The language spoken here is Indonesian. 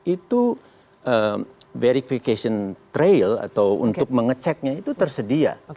itu verification trail atau untuk mengeceknya itu tersedia